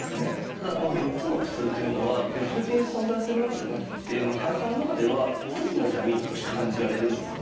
ただこの４つの苦痛というのは別々に存在するわけじゃなくて患者さんの中では一つの痛みとして感じられるんですね。